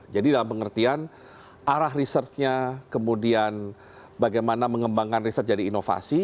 jadi dalam pengertian arah researchnya kemudian bagaimana mengembangkan research jadi inovasi